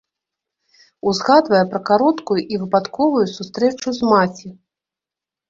Узгадвае пра кароткую і выпадковую сустрэчу з маці.